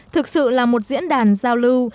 thực sự là một diễn đàn giao lưu